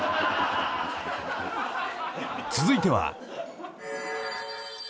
［続いては］